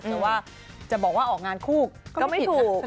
หรือว่าจะบอกว่าออกงานคู่ก็ไม่ถูก